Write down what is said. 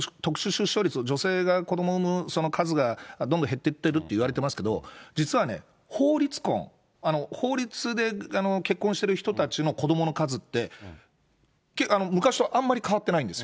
ただね、宮根さんね、今、特殊出生率、女性が子ども産む数がどんどん減ってってるっていいますけど、実はね、法律婚、法律で結婚してる人たちの子どもの数って、昔とあんまり変わってないんですよ。